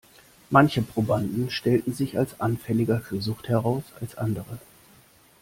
Manche Probanden stellten sich als anfälliger für Sucht heraus als andere.